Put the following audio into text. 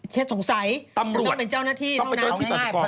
เขียนสงสัยต้องเป็นเจ้าหน้าที่ต้องหนาวงง่ายต้องเป็นเจ้าหน้าที่ตัวติกร